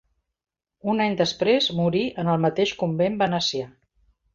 Un any després morí en el mateix convent venecià.